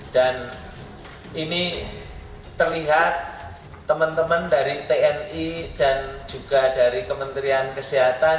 dan ini terlihat teman teman dari tni dan juga dari kementerian kesehatan